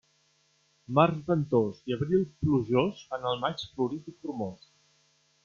Març ventós i abril plujós fan el maig florit i formós.